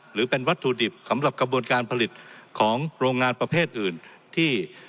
หรือเป็นวัตถุดิบสำหรับกระบวนการผลิตของโรงงานประเภทอื่นที่